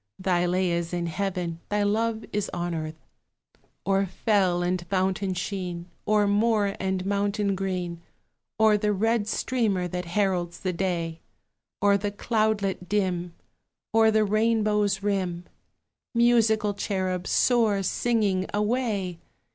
Thy lay is in heaven, thy love is on earth. O'er fell and fountain sheen, O'er moor and mountain green, O'er the red streamer that heralds the day, Over the cloudlet dim, Over the rainbow's rim, Musical cherub, soar, singing, away!